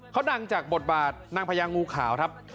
เขาดังจากบทบาทนางพญางูขาวครับ